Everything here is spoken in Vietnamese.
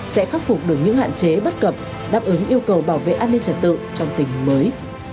sẽ khắc phục được những hạn chế bất cập đáp ứng yêu cầu bảo vệ an ninh trật tự trong tình hình mới